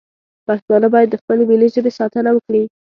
پښتانه باید د خپلې ملي ژبې ساتنه وکړي